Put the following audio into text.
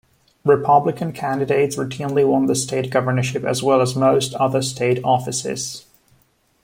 Republican candidates routinely won the state governorship as well as most other state offices.